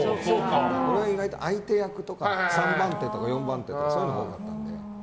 俺は意外と相手役とか３番手とか４番手とかそういうのが多かったので。